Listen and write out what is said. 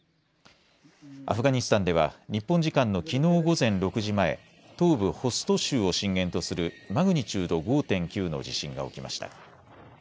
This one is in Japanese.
アフガニスタンでは日本時間のきのう午前６時前、東部ホスト州を震源とするマグニチュード５．９の地震が起きました。